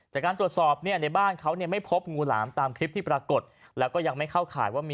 จากการตรวจสอบเนี่ยในบ้านเขาเนี่ยไม่พบงูหลามตามคลิปที่ปรากฏแล้วก็ยังไม่เข้าข่ายว่ามี